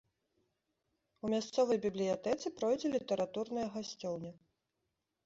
У мясцовай бібліятэцы пройдзе літаратурная гасцёўня.